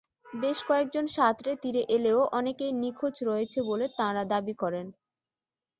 বেশ কয়েকজন সাঁতরে তীরে এলেও অনেকেই নিখোঁজ রয়েছে বলে তাঁরা দাবি করেন।